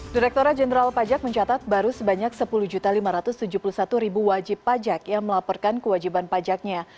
direkturat jenderal pajak mencatat baru sebanyak sepuluh lima ratus tujuh puluh satu wajib pajak yang melaporkan kewajiban pajaknya